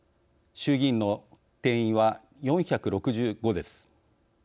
衆議院の定員は４６５です。